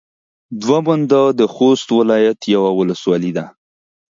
دوه منده د خوست ولايت يوه ولسوالي ده.